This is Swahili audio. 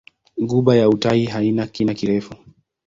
Ghuba ya Uthai haina kina kirefu.